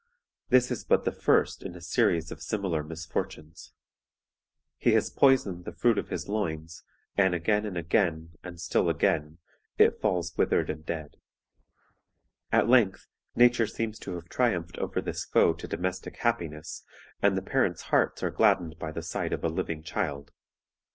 This is but the first in a series of similar misfortunes. He has poisoned the fruit of his loins, and again and again, and still again, it falls withered and dead. At length nature seems to have triumphed over this foe to domestic happiness, and the parents' hearts are gladdened by the sight of a living child.